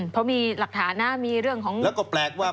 เพราะมีหลักฐานนะมีเรื่องของถูกพยานต่าง